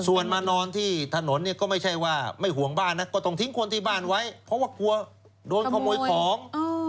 ส่วนมานอนที่ถนนเนี่ยก็ไม่ใช่ว่าไม่ห่วงบ้านนะก็ต้องทิ้งคนที่บ้านไว้เพราะว่ากลัวโดนขโมยของ